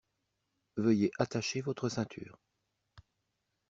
Veuillez attacher votre ceinture.